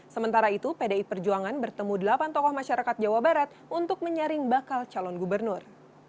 sementara itu pdi perjuangan bertemu delapan tokoh masyarakat jawa barat untuk menyaring bakal calon gubernur